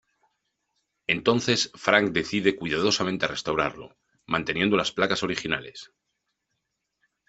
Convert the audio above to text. Entonces Frank decide cuidadosamente restaurarlo, manteniendo las placas originales.